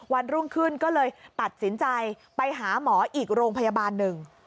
วันรุ่งขึ้นก็เลยตัดสินใจไปหาหมออีกโรงพยาบาลหนึ่ง